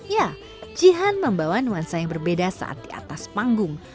ya jihan membawa nuansa yang berbeda saat di atas panggung